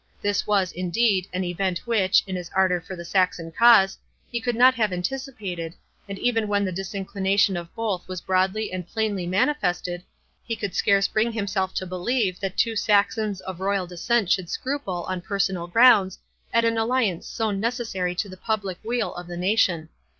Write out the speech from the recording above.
This was, indeed, an event which, in his ardour for the Saxon cause, he could not have anticipated, and even when the disinclination of both was broadly and plainly manifested, he could scarce bring himself to believe that two Saxons of royal descent should scruple, on personal grounds, at an alliance so necessary for the public weal of the nation.